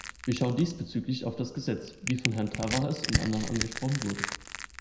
Wir schauen diesbezüglich auf das Gesetz, wie von Herrn Tavares und anderen angesprochen wurde.